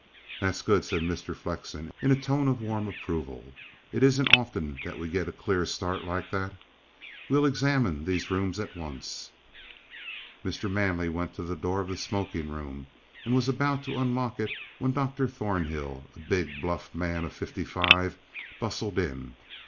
"That's good," said Mr. Flexen, in a tone of warm approval. "It isn't often that we get a clear start like that. We'll examine these rooms at once." Mr. Manley went to the door of the smoking room and was about to unlock it, when Dr. Thornhill, a big, bluff man of fifty five, bustled in. Mr.